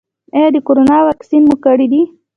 ایا د کرونا واکسین مو کړی دی؟